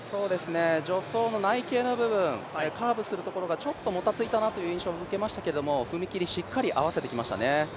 助走の内傾の部分、カーブするところがちょっともたついたなという印象を受けましたけども、踏切、しっかり合わせてきましたね。